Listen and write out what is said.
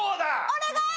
お願い！